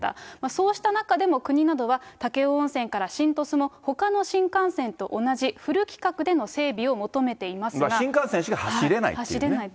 そうした中でも国などは、武雄温泉から新鳥栖も、ほかの新幹線と同じフル規格での整備を求めてい新幹線しか走れないっていう走れない。